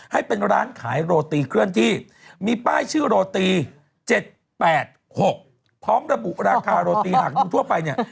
ให้เป็นร้านขายโรตีเคลื่อนที่มีป้ายชื่อโรตี๗๘๖พร้อมระบุราคาโรตีหากดูทั่วไปเนี่ย